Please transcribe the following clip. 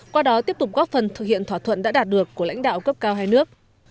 qua đó tiếp tục góp phần thực hiện thỏa thuận đã đạt được của lãnh đạo cấp cao hai nước